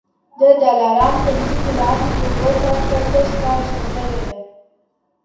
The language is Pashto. د دلارام تر مځکې لاندي د اوبو سطحه سږ کال ښه سوې ده